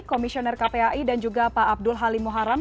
komisioner kpai dan juga pak abdul halim muharam